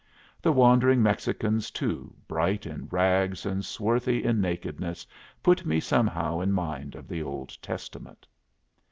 The wandering Mexicans, too, bright in rags and swarthy in nakedness, put me somehow in mind of the Old Testament.